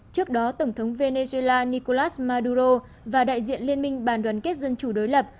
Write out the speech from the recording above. trước đó tổng thống venezuela nicolas maduro và đại diện liên minh bàn đoàn kết dân chủ đối lập